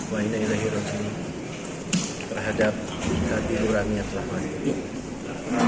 wahidahilahirrohimi terhadap hadir urangnya telah berhenti